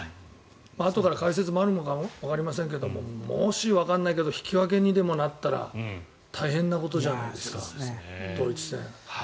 あとから解説もあるのかもわかりませんがもし、わからないけど引き分けにでもなったら大変なことじゃないですかドイツ戦。